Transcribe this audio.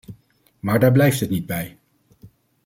Maar daar blijft het niet bij.